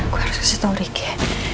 gue harus kasih tau riki